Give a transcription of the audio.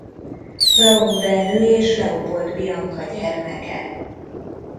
Braun Benő és Leopold Bianka gyermeke.